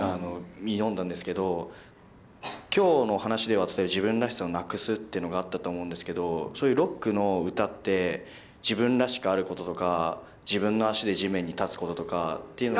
読んだんですけど今日の話では自分らしさをなくすっていうのがあったと思うんですけどそういうロックの歌って自分らしくあることとか自分の足で地面に立つこととかっていうのが。